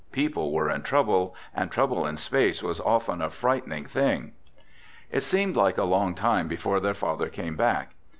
People were in trouble and trouble in space was often a frightening thing. It seemed like a long time before their father came back.